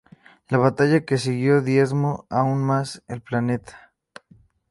La batalla que siguió diezmó aún más el planeta.